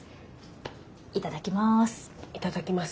いただきます。